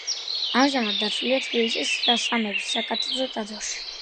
ამჟამად დაცულია თბილისის სამების საკათედრო ტაძარში.